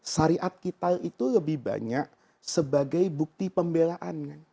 syariat kita itu lebih banyak sebagai bukti pembelaan